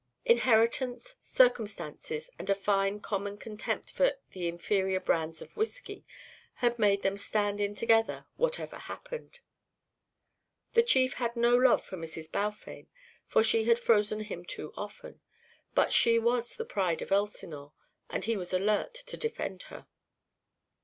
Inheritance, circumstances, and a fine common contempt for the inferior brands of whiskey, had made them "stand in together, whatever happened." The chief had no love for Mrs. Balfame, for she had frozen him too often, but she was the pride of Elsinore and he was alert to defend her.